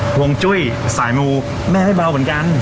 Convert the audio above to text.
ห่วงจุ้ยสายมูแม่ไม่เบาเหมือนกัน